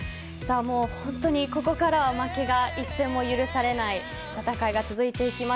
本当に、ここから負けが一戦も許されない戦いが続いていきます。